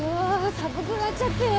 寒くなっちゃったよ。